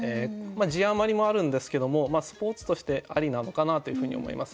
字余りもあるんですけどもスポーツとしてありなのかなというふうに思います。